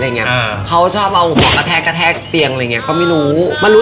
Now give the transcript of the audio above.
อย่างนี้เขาชอบเอาหอกกระแทกเกะแทกเตียงอะไรอย่างนี้ก็ไม่รู้